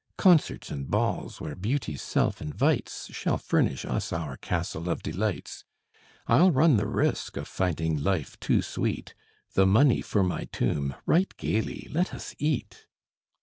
Concerts and balls, where Beauty's self invites, Shall furnish us our castle of delights; I'll run the risk of finding life too sweet: The money for my tomb right gayly let us eat!